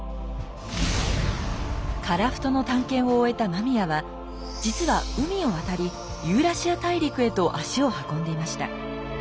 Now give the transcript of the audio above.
樺太の探検を終えた間宮は実は海を渡りユーラシア大陸へと足を運んでいました。